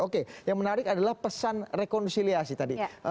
oke yang menarik adalah pesan rekonsiliasi tadi